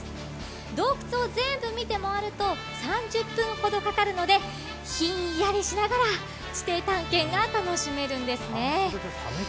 洞窟を全部見て回ると３０分ほどかかるのでひんやりしながら地底探検が楽しめるんですね。